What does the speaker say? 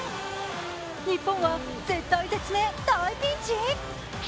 日本は絶体絶命、大ピンチ？